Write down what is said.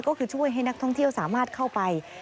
ก็คือช่วยให้นักท่องเที่ยวสามารถเข้าไป